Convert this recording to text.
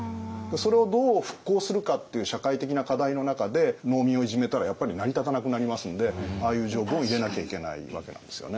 それをどう復興するかっていう社会的な課題の中で農民をいじめたらやっぱり成り立たなくなりますんでああいう条文を入れなきゃいけないわけなんですよね。